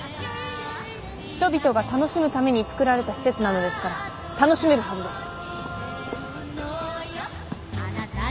人々が楽しむために造られた施設なのですから楽しめるはずです。